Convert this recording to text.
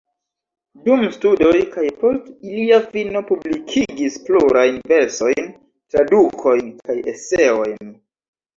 Dum studoj kaj post ilia fino publikigis plurajn versojn, tradukojn kaj eseojn.